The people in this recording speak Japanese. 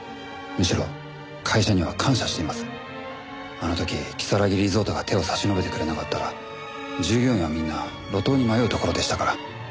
あの時如月リゾートが手を差し伸べてくれなかったら従業員はみんな路頭に迷うところでしたから。